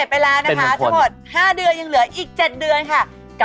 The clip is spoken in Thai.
ไปแล้วนะคะทั้งหมด๕เดือนยังเหลืออีก๗เดือนค่ะ